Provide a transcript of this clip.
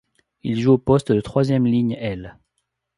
Il joue au poste de troisième ligne aile.